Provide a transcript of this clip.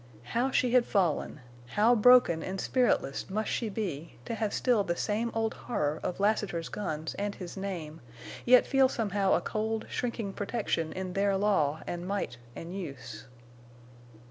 How she had fallen—how broken and spiritless must she be—to have still the same old horror of Lassiter's guns and his name, yet feel somehow a cold, shrinking protection in their law and might and use.